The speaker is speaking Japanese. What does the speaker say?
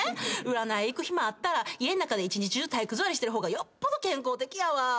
占い行く暇あったら家ん中で一日中体育座りしてる方がよっぽど健康的やわ！